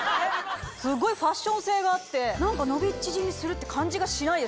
すっごいファッション性があって何か伸び縮みするって感じがしないです。